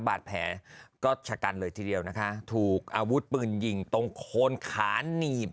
บาดแผลก็ชะกันเลยทีเดียวนะคะถูกอาวุธปืนยิงตรงโคนขาหนีบ